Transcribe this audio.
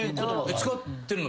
使ってるの？